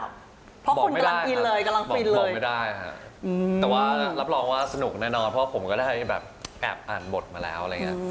บอกไม่ได้ครับแต่ว่ารับรองว่าสนุกแน่นอนเพราะผมก็ได้แอบอ่านบทมาแล้ว